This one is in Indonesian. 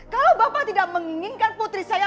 kalau bapak tidak menginginkan putri saya